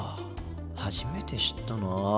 初めて知ったなあ。